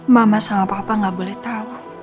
mama sama papa nggak boleh tahu